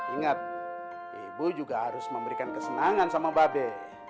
ingat ibu juga harus memberikan kesenangan sama mba be